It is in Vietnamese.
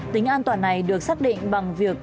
tính an toàn này được xác định bằng việc